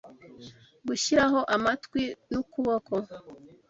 gushyiraho amatwi n’ukuboko.